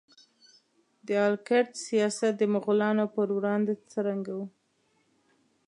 د آل کرت سیاست د مغولانو په وړاندې څرنګه و؟